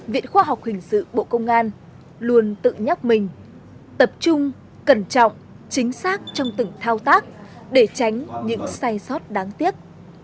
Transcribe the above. viện khoa học hình sự bộ công an luôn tự nhắc mình tập trung cẩn trọng chính xác trong từng thao tác để tránh những sai sót đáng tiếc